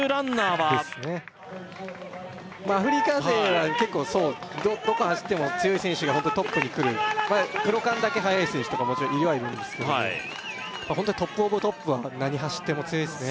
まあアフリカ勢は結構そうどこ走っても強い選手がホントトップに来るまあクロカンだけ速い選手とかもちろんいるはいるんですけどもホントトップオブトップは何走っても強いですね